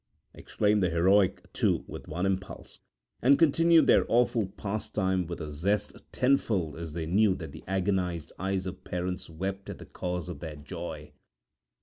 exclaimed the heroic two with one impulse, and continued their awful pastime with a zest tenfold as they knew that the agonized eyes of parents wept at the cause of their joy.